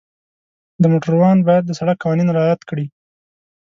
د موټروان باید د سړک قوانین رعایت کړي.